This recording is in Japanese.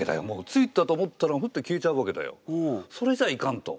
ついたと思ったらフッと消えちゃうわけだよ。それじゃあいかんと。